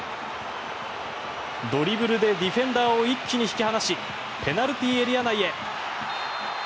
ドリブルでディフェンダーを一気に引き離しペナルティーエリア内へ。